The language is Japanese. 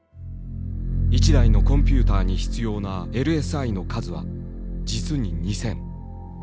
１台のコンピューターに必要なＬＳＩの数は実に２，０００。